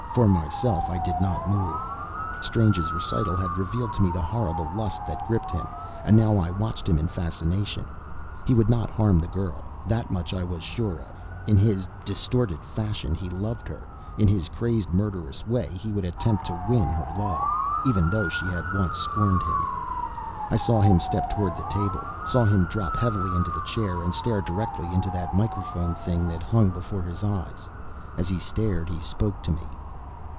For myself, I did not move. Strange's recital had revealed to me the horrible lust that gripped him, and now I watched him in fascination. He would not harm the girl; that much I was sure of. In his distorted fashion he loved her. In his crazed, murderous way he would attempt to win her love, even though she had once scorned him. I saw him step toward the table. Saw him drop heavily into the chair, and stare directly into that microphonic thing that hung before his eyes. As he stared, he spoke to me.